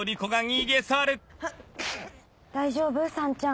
大丈夫？さんちゃん。